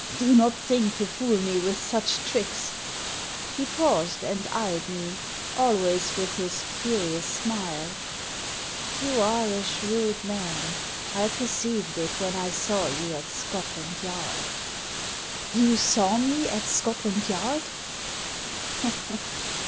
" Do not think to fool me with such tricks !" He paused, and eyed me — ^always with his curious smile. You are a shrewd man. I perceived it when I saw you at Scotland Yard." "You saw me at Scotland Yard